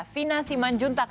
fina siman juntak